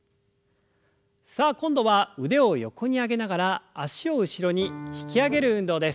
さあ今度は腕を横に上げながら脚を後ろに引き上げる運動です。